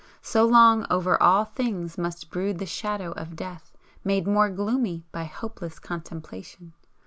So long over all things must brood the shadow of death made more gloomy by hopeless contemplation.